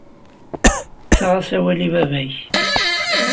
Ttaɣ-as awal i baba-m.